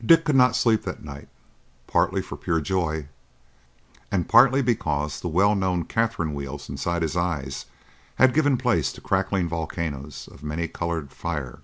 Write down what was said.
Dick could not sleep that night, partly for pure joy, and partly because the well known Catherine wheels inside his eyes had given place to crackling volcanoes of many coloured fire.